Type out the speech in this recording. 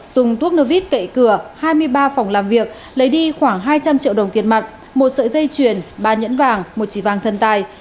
dùng thuốc nô vít cậy cửa hai mươi ba phòng làm việc lấy đi khoảng hai trăm linh triệu đồng tiền mặt một sợi dây chuyền ba nhẫn vàng một chỉ vàng thân tài